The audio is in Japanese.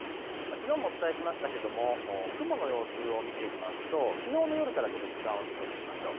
きのうもお伝えしましたが雲の様子を見てみますと、きのうの夜から時間を進めてみましょう。